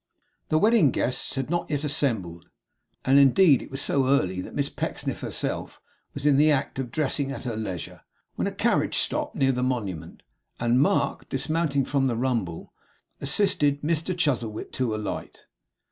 The wedding guests had not yet assembled, and indeed it was so early that Miss Pecksniff herself was in the act of dressing at her leisure, when a carriage stopped near the Monument; and Mark, dismounting from the rumble, assisted Mr Chuzzlewit to alight.